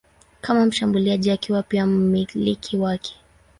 kama mshambuliaji akiwa pia mmiliki wake.